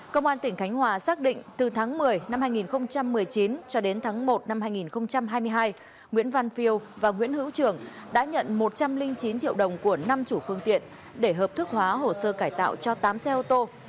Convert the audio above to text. công an tỉnh khánh hòa xác định từ tháng một mươi năm hai nghìn một mươi chín cho đến tháng một năm hai nghìn hai mươi hai nguyễn văn phiêu và nguyễn hữu trường đã nhận một trăm linh chín triệu đồng của năm chủ phương tiện để hợp thức hóa hồ sơ cải tạo cho tám xe ô tô